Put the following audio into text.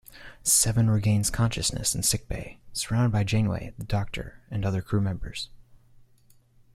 Seven regains consciousness in sickbay, surrounded by Janeway, the Doctor, and other crew members.